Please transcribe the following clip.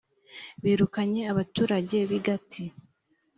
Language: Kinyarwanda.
birukanye abaturage b i gati